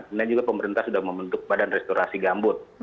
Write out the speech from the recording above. kemudian juga pemerintah sudah membentuk badan restorasi gambut